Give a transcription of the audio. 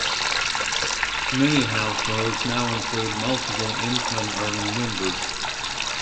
Many households now include multiple income-earning members.